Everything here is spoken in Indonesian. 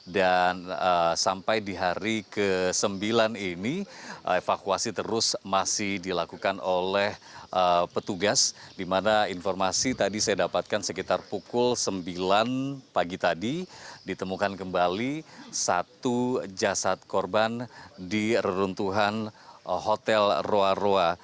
dan sampai di hari ke sembilan ini evakuasi terus masih dilakukan oleh petugas di mana informasi tadi saya dapatkan sekitar pukul sembilan pagi tadi ditemukan kembali satu jasad korban di reruntuhan hotel roa roa